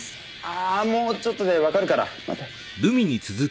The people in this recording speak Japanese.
ああもうちょっとでわかるから待って。